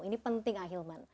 ini penting ahilman